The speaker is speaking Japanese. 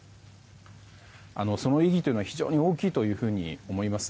その意義というのは非常に大きいと思います。